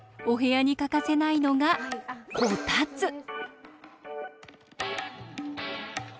お部屋に欠かせないのがこたつ。